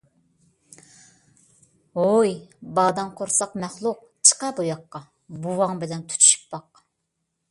ھوي باداڭ قورساق مەخلۇق، چىقە بۇ ياققا ! بوۋاڭ بىلەن تۇتۇشۇپ باق!